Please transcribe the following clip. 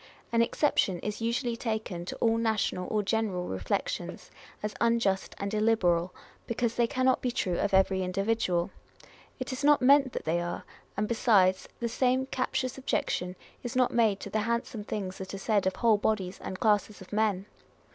An exception is usually taken to all national or general reflections, as unjust and illiberal, because they cannot be true of every individual. It is not meant that they are ; and besides, the same captious objection is not made to the handsome things that are said of whole bodies and classes of men.